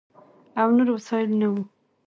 او نور وسایل نه ؤ،